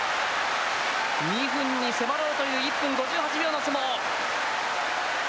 ２分に迫ろうという１分５８秒の相撲。